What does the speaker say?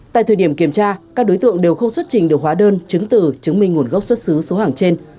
tại thời điểm kiểm tra các đối tượng đều không xuất trình được hóa đơn chứng từ chứng minh nguồn gốc xuất xứ số hàng trên